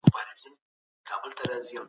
تور لوګى نــه دئ